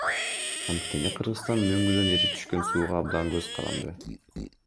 Анткени Кыргызстан мөңгүдөн эрип түшкөн сууга абдан көз каранды.